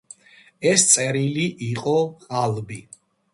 ეს წერილი იყო ყალბი.